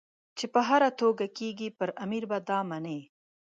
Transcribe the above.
په هره توګه کېږي پر امیر به دا مني.